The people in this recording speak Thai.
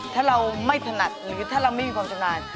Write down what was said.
ถ้าเราไม่ถนัดหรือถ้าเราไม่มีความชำนาญ